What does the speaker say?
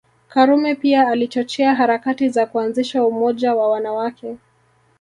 Karume pia alichochea harakati za kuanzisha umoja wa wanawake